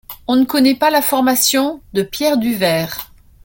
On ne connait pas la formation de Pierre du Vair.